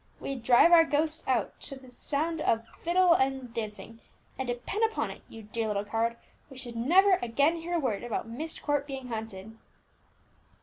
We'd drive out ghosts to the sound of fiddle and dancing, and depend upon it, you dear little coward, we should never again hear a word about Myst Court being haunted."